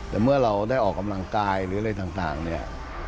แต่เมื่อเราได้ออกกำลังกายหรืออะไรต่างเนี่ย